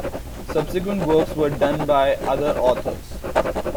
Subsequent works were done by other authors.